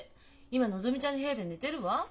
今のぞみちゃんの部屋で寝てるわ。